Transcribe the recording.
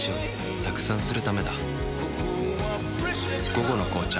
「午後の紅茶」